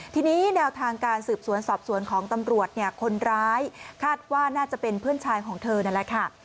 ทีนี้แนวทางการสืบสวนสอบสวนของตำรวจเนี่ยคนร้ายคาดว่าน่าจะเป็นเพื่อนชายของเธอนั่นแหละค่ะ